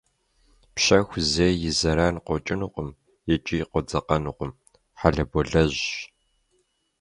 Пщэху зэи и зэран къокӏынукъым икӏи къодзэкъэнукъым, хьэлэболэжьщ.